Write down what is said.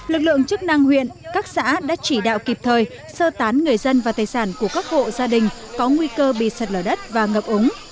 lực lượng chức năng huyện các xã đã chỉ đạo kịp thời sơ tán người dân và tài sản của các hộ gia đình có nguy cơ bị sạt lở đất và ngập úng